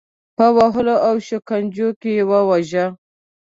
په وهلو او شکنجو کې وواژه.